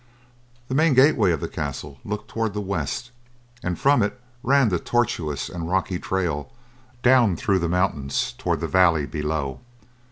The main gateway of the castle looked toward the west and from it ran the tortuous and rocky trail, down through the mountains toward the valley below.